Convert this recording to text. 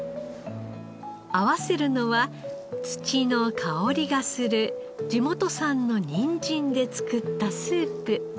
合わせるのは土の香りがする地元産のニンジンで作ったスープ。